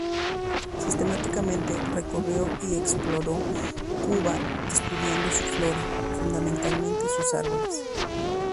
Sistemáticamente recorrió y exploró Cuba estudiando su flora, fundamentalmente sus árboles.